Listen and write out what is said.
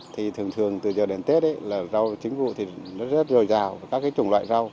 thì thường thường từ giờ đến tết rau chính vụ rất nhiều rào